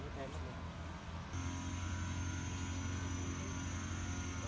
หยกขึ้นเลยอ่ะ